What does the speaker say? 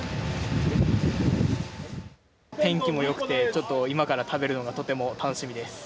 天気もよくてちょっと今から食べるのがとても楽しみです。